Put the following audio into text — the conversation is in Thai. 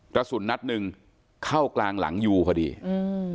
กระสุนนัดหนึ่งเข้ากลางหลังยูพอดีอืม